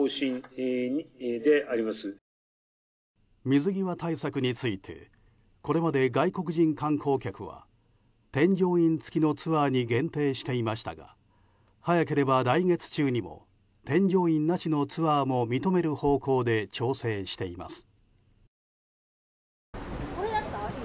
水際対策についてこれまで外国人観光客は添乗員付きのツアーに限定していましたが早ければ来月中にも添乗員なしのツアーも認める方向で調整しています。